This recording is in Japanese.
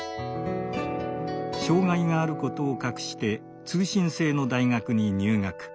障害があることを隠して通信制の大学に入学。